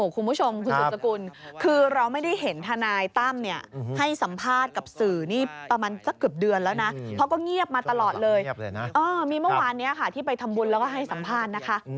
คุณผู้ชมคุณสุดสกุลคือเราไม่ได้เห็นทนายตั้มเนี่ยให้สัมภาษณ์กับสื่อนี่ประมาณสักเกือบเดือนแล้วนะเพราะก็เงียบมาตลอดเลยมีเมื่อวานนี้ค่ะที่ไปทำบุญแล้วก็ให้สัมภาษณ์นะคะ